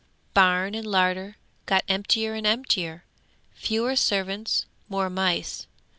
'Barn and larder got emptier and emptier. Fewer servants; more mice.